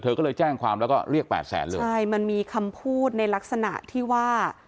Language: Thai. ก็เลยแจ้งความแล้วก็เรียกแปดแสนเลยใช่มันมีคำพูดในลักษณะที่ว่า